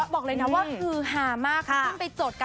บอกเลยนะว่าคือหามาก